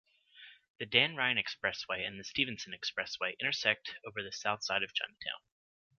The Dan Ryan Expressway and the Stevenson Expressway intersect over the southside of Chinatown.